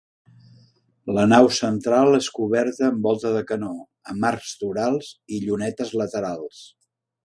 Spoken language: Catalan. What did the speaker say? La nau central és coberta amb volta de canó, amb arcs torals i llunetes laterals.